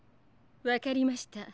わかりました。